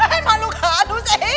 eh mahluk halus